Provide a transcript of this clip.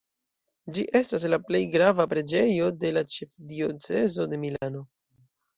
Ĝi estas la plej grava preĝejo de la ĉefdiocezo de Milano.